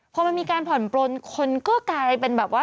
พอมันมีการผ่อนปลนคนก็กลายเป็นแบบว่า